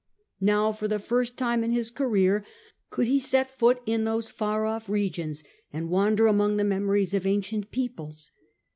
Now for the first time in his career could he set foot in those far off regions, and wander among the memories of ancient peoples.